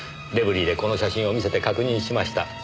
レブリーでこの写真を見せて確認しました。